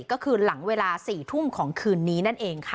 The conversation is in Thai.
ก็คือหลังเวลา๔ทุ่มของคืนนี้นั่นเองค่ะ